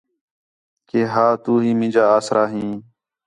کہ ہا تُو ہی مینجا آسرا ہیں